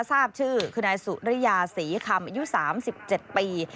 ทราบชื่อคือนายสุริยาศรีคำอายุ๓๗ปี